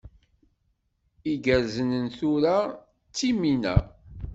Irgazen n tura d ttimina.